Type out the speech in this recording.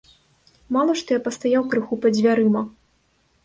Мала што я пастаяў крыху пад дзвярыма.